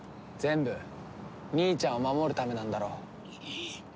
全部兄ちゃんを守るためなんだろ？